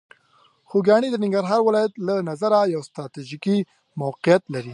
خوږیاڼي د ننګرهار ولایت له نظره یوه ستراتیژیکه موقعیت لري.